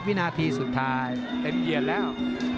วินาทีสุดท้ายเต็มเหยียนแล้ว